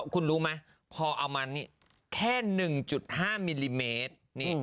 คุณรู้ไหมพอเอามานี่แค่๑๕มิลลิเมตร